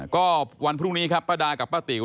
ก็วันพรุ่งนี้ครับป้าดากับป้าติ๋ว